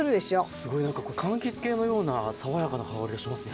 すごい何かこれかんきつ系のような爽やかな香りがしますね。